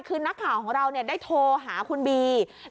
คือนักข่าวของเราได้โทรหาคุณบี